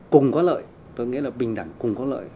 cùng có lợi tôi nghĩ là bình đẳng cùng có lợi